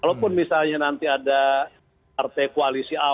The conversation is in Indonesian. walaupun misalnya nanti ada arti koalisi awal